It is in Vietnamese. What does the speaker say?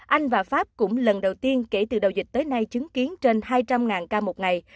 anh và pháp cũng lần đầu tiên kể từ đầu dịch tới nay chứng kiến trên hai trăm linh ca một ngày